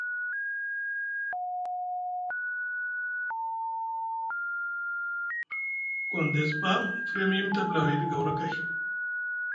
Gondess ɓa mu firya mu yimiti abulohoy ɗi garwakay.